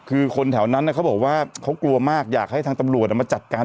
คือคนแถวนั้นเขาบอกว่าเขากลัวมากอยากให้ทางตำรวจมาจัดการ